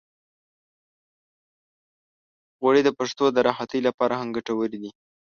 غوړې د پښو د راحتۍ لپاره هم ګټورې دي.